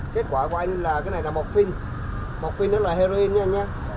kết quả của anh là cái này là một phim một phim đó là heroin nha anh nha